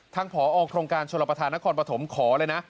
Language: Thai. ผอโครงการชลประธานนครปฐมขอเลยนะ